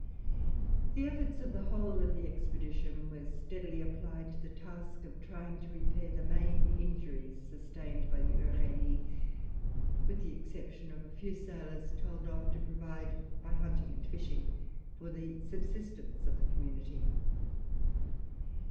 The efforts of the whole of the expedition were steadily applied to the task of trying to repair the main injuries sustained by the Uranie, with the exception of a few sailors told off to provide, by hunting and fishing, for the subsistence of the community.